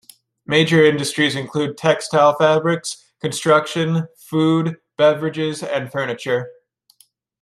Major industries include textile fabrics, construction, food, beverages, and furniture.